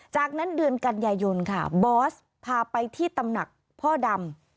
จากนั้นเดือนกันยายนค่ะบอสพาไปที่ตำหนักพ่อดำ